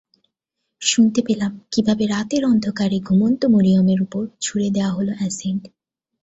শুনতে পেলাম কীভাবে রাতের অন্ধকারে ঘুমন্ত মরিয়মের ওপর ছুড়ে দেওয়া হলো অ্যাসিড।